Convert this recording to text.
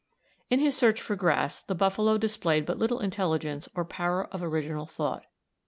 In his search for grass the buffalo displayed but little intelligence or power of original thought.